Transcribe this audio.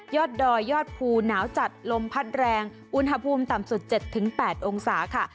ยอดดอยยอดภูหนาวจัดลมพัดแรงอุณหภูมิต่ำสุดเจ็ดถึงแปดองศาค่ะ